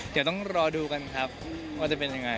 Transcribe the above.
เดี๋ยวต้องรอดูกันครับว่าจะเป็นยังไง